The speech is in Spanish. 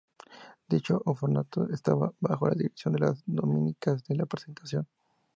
Dicho orfanato estaba bajo la dirección de las Dominicas de la Presentación.